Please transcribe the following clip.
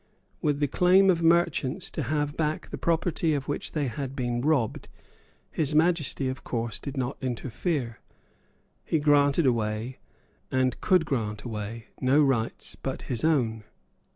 With the claim of merchants to have back the property of which they had been robbed His Majesty of course did not interfere. He granted away, and could grant away, no rights but his own.